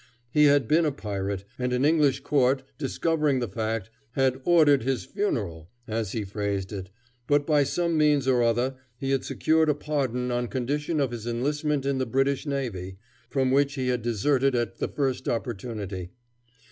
He had been a pirate, and an English court, discovering the fact, had "ordered his funeral," as he phrased it, but by some means or other he had secured a pardon on condition of his enlistment in the British navy, from which he had deserted at the first opportunity.